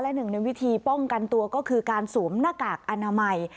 หนึ่งในวิธีป้องกันตัวก็คือการสวมหน้ากากอนามัย